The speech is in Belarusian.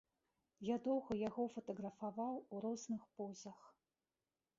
Я доўга яго фатаграфаваў у розных позах.